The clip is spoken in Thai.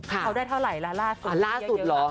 เอาได้เท่าไหร่ล่าล่าสุดเยอะเยอะกว่า